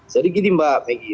jadi gini mbak peggy